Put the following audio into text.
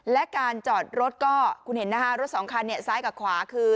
และการจอดรถก็คุณเห็นนะฮะรถ๒คันซ้ายกับขวาคือ